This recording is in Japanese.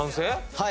はい。